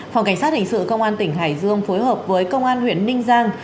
phòng cảnh sát hình sự công an tỉnh hải dương phối hợp với công an huyện ninh giang